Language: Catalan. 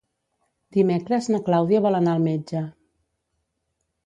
Dimecres na Clàudia vol anar al metge.